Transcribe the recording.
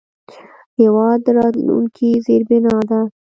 هېواد د راتلونکي زیربنا ده.